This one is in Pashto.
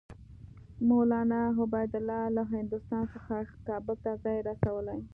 مولنا عبیدالله له هندوستان څخه کابل ته ځان رسولی.